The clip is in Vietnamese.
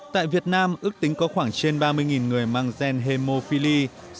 tại việt nam ước tính có khoảng trên ba mươi người mang gen hemophili